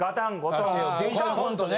電車のコントね。